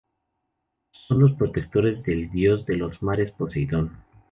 Son los protectores del dios de los mares Poseidón.